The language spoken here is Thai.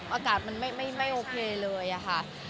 อากาศมันไม่โอเคเลยค่ะ